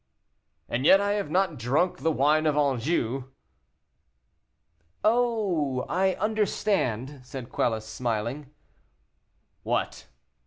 "And yet I have not drunk the wine of Anjou." "Oh! I understand," said Quelus, smiling. "What?"